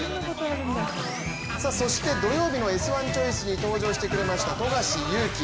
そして、土曜日の「Ｓ☆１チョイス」に登場してくれました富樫勇樹。